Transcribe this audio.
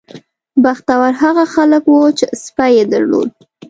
بختور هغه خلک وو چې سپی یې درلود.